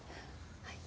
はい？